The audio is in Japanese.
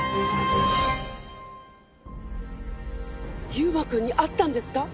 優馬くんに会ったんですか！？